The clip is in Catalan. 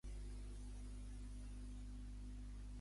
De fet, es considera una divinitat Osca.